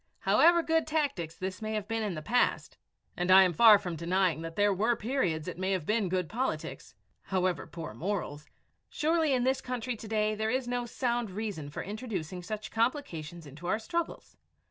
However good tactics this may have been in the past, and I am far from denying that there were periods it may have been good politics, however poor morals, surely in this country to day there is no sound reason for introducing such complications into our struggles.